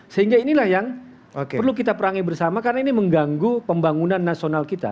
sehingga inilah yang perlu kita perangi bersama karena ini mengganggu pembangunan nasional kita